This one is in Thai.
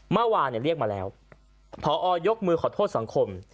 เมื่อวานเรียกมาแล้วพอยกมือขอโทษสังคม